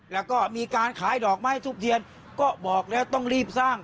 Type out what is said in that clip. แล้วก็มีการขายดอกไม้ทุบเทียนก็บอกแล้วต้องรีบสร้าง